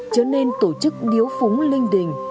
chứa nên tổ chức điếu phúng linh đình